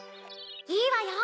いいわよ！